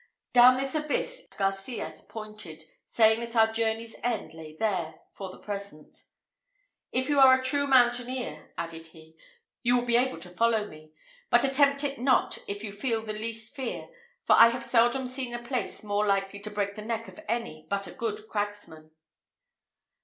Down this abyss it was that Garcias pointed, saying that our journey's end lay there, for the present. "If you are a true mountaineer," added he, "you will be able to follow me; but attempt it not if you feel the least fear; for I have seldom seen a place more likely to break the neck of any but a good cragsman."